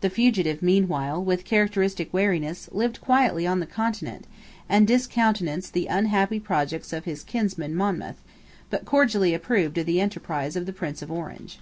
The fugitive meanwhile, with characteristic wariness, lived quietly on the Continent, and discountenanced the unhappy projects of his kinsman Monmouth, but cordially approved of the enterprise of the Prince of Orange.